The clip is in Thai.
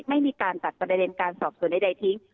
ไม่มีการตัดประเด็นการสอบส่วนใดทิ้ง